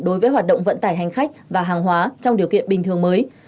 đối với hoạt động vận tải hành khách và hàng hóa trong điều kiện bình thường mới